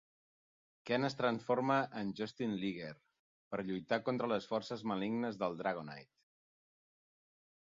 Ken es transforma en Jushin Liger per lluitar contra les forces malignes del Dragonite!